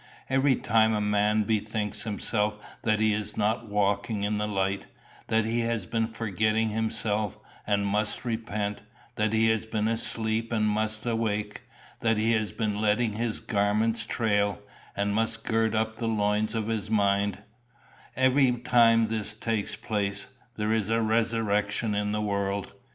Every time a man bethinks himself that he is not walking in the light, that he has been forgetting himself, and must repent, that he has been asleep and must awake, that he has been letting his garments trail, and must gird up the loins of his mind every time this takes place, there is a resurrection in the world.